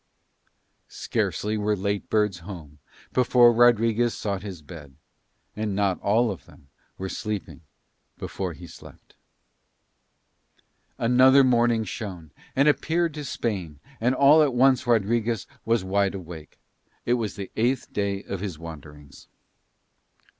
Scarcely were late birds home before Rodriguez sought his bed, and not all of them were sleeping before he slept. Another morning shone, and appeared to Spain, and all at once Rodriguez was wide awake. It was the eighth day of his wanderings.